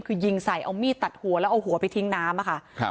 คือยิงใส่เอามีดตัดหัวแล้วเอาหัวไปทิ้งน้ำอะค่ะครับ